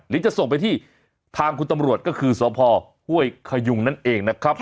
จะส่งไปที่ทางคุณตำรวจก็คือสพห้วยขยุงนั่นเองนะครับ